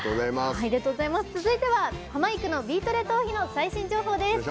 続いてはハマいくの「ビートＤＥトーヒ」の最新情報です。